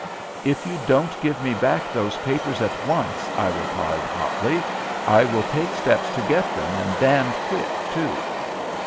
"If you don't give me back those papers at once," I replied, hotly, "I will take steps to get them and damned quick, too!"